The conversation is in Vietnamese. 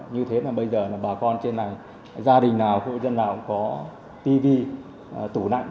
như thế bà con trên đảo gia đình nào cũng có tv tủ nạnh